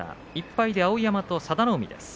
１敗で碧山と佐田の海です。